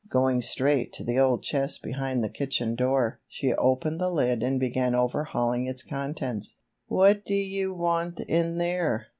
Going straight to the old chest behind the kitchen door, she opened the lid and began overhauling its contents. "What dew you want in there?"